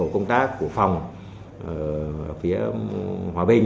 các của phòng phía hòa bình